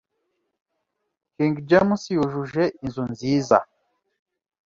King James yujuje inzu nziza